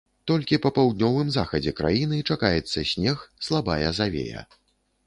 Толькі па паўднёвым захадзе краіны чакаецца снег, слабая завея.